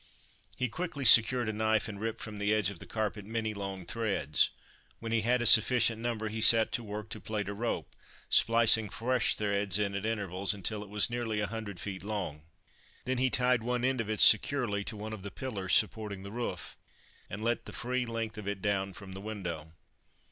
He quickly secured a knife, and ripped from the edge of the carpet many long threads. When he had a sufficient number, he set to work to plait a rope, splicing fresh threads in at intervals until it was nearly a hundred feet long. Then he tied one end of it securely to one of the pillars supporting the roof, and let the free length of it down from the window.